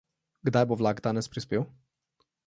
Kdaj bo vlak danes prispel?